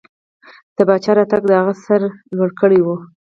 د پاچا راتګ د هغه سر لوړ کړی و.